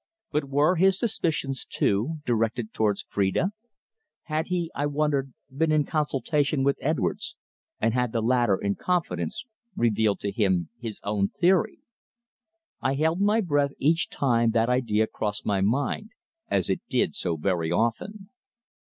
But were his suspicions, too, directed towards Phrida? Had he, I wondered, been in consultation with Edwards, and had the latter, in confidence, revealed to him his own theory? I held my breath each time that idea crossed my mind as it did so very often.